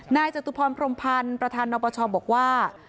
จตุพรพรมพันธ์ประธานนปชบอกว่า